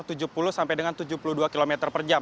tujuh puluh sampai dengan tujuh puluh dua km per jam